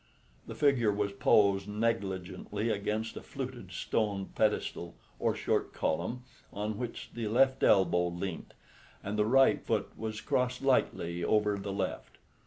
The figure was posed negligently against a fluted stone pedestal or short column on which the left elbow leant, and the right foot was crossed lightly over the left.